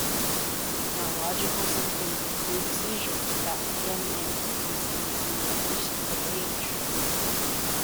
Neurological symptoms include seizures that begin in infancy and may worsen with age.